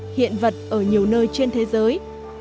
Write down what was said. hiện vật ở nhiều nơi trên thế giới